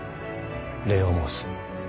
礼を申す。